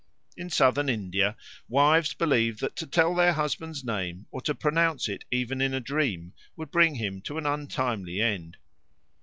In Southern India wives believe that to tell their husband's name or to pronounce it even in a dream would bring him to an untimely end.